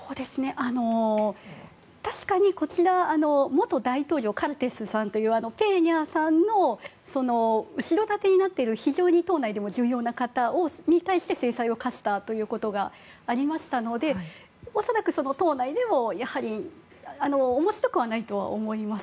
確かに、元大統領のカルテスさんというペニャさんの後ろ盾になっている非常に、党内でも重要な方に対して制裁を科したということがありましたので恐らく、党内でもやはり面白くはないと思います。